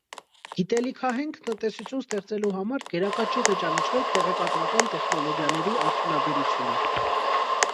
Գիտելիքահենք տնտեսություն ստեղծելու համար գերակա ճյուղ է ճանաչվել տեղեկատվական տեխնոլոգիաների արդյունաբերությունը։